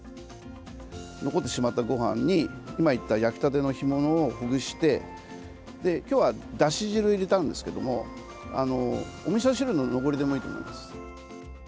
残ってしまったごはんに今言った焼きたての干物をほぐして今日はだし汁を入れたんですけどもおみそ汁の残りでもいいと思います。